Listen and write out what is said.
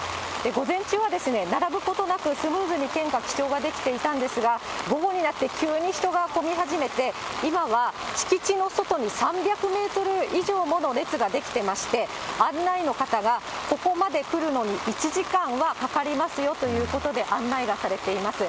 午前中は並ぶことなくスムーズに献花、記帳ができていたんですが、午後になって急に人が混み始めて、今は敷地の外に３００メートル以上もの列が出来ていまして、案内の方がここまで来るのに１時間はかかりますよということで案内がされています。